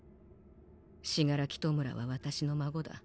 死柄木弔は私の孫だ。